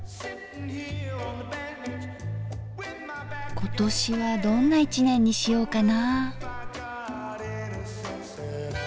今年はどんな一年にしようかな。